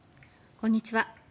こんにちは。